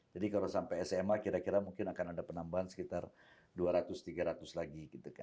jadi kalau sampai sma kira kira mungkin akan ada penambahan sekitar dua ratus tiga ratus lagi